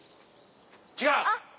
違う！